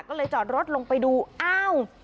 ก็เลยจอดรถลงไปดูอ้าว